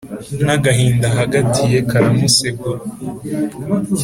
N'agahinda ahagatiye karamusegura